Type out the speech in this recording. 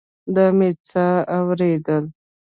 دا مې څه اورېدل.